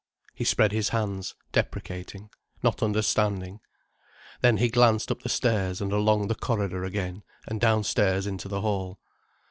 He spread his hands, deprecating, not understanding. Then he glanced up the stairs and along the corridor again, and downstairs into the hall.